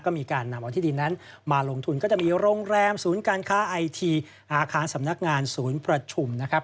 ก็มีการนำเอาที่ดินนั้นมาลงทุนก็จะมีโรงแรมศูนย์การค้าไอทีอาคารสำนักงานศูนย์ประชุมนะครับ